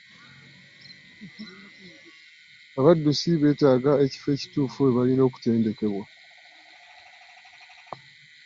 Abaddusi beetaaga ekifo ekituufu we balina okutendekebwa.